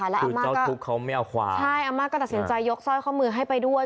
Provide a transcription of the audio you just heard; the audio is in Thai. คือเจ้าทุกข์เขาไม่เอาความใช่อาม่าก็ตัดสินใจยกสร้อยข้อมือให้ไปด้วย